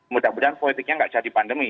mudah mudahan politiknya nggak jadi pandemi